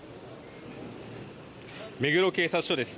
目黒警察署です。